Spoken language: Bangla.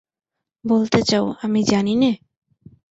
বলতে চাও, আমি জানি নে?